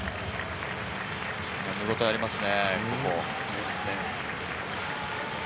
見応えありますね。